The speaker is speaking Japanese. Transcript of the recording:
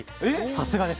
さすがです。